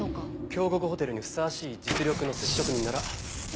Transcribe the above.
京極ホテルにふさわしい実力の寿司職人ならマル。